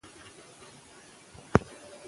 که یادښت وي نو ټکی نه هېریږي.